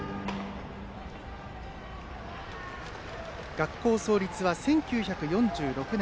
学校創立は１９４６年。